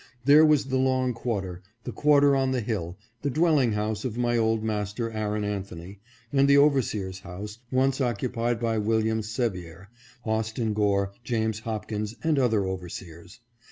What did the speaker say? There was the long quarter, the quarter on the hill, the dwelling house of my old master Aaron Anthony, and the overseer's house, once occupied by William Sevier, Austin Gore, James Hopkins, and other overseers.